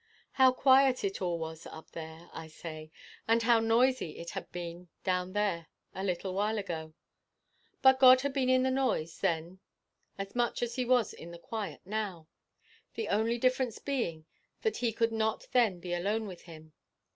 How quiet it all was up here, I say, and how noisy it had been down there a little while ago! But God had been in the noise then as much as he was in the quiet now the only difference being that he could not then be alone with him.